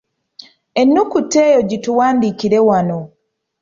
Ennukuta eyo gituwandiikire wano.